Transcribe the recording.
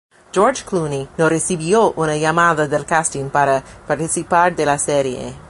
George Clooney no recibió una llamada del casting para participar de la serie.